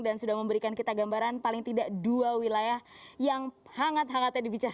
dan sudah memberikan kita gambaran paling tidak dua wilayah yang hangat hangatnya di bintang